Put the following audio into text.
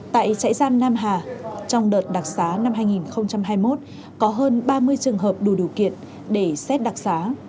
tại trại giam nam hà trong đợt đặc sá năm hai nghìn hai mươi một có hơn ba mươi trường hợp đủ điều kiện để xếp đặc sá